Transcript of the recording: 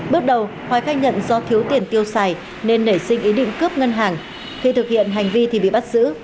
bước đầu hoài khai nhận do thiếu tiền tiêu xài nên nảy sinh ý định cướp ngân hàng khi thực hiện hành vi thì bị bắt giữ